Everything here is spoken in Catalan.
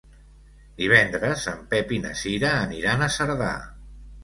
Divendres en Pep i na Cira aniran a Cerdà.